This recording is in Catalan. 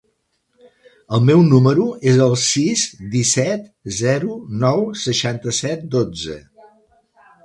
El meu número es el sis, disset, zero, nou, seixanta-set, dotze.